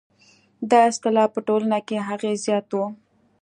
دا اصطلاح په ټولنه کې اغېز زیات و.